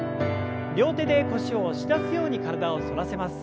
両手で腰を押し出すように体を反らせます。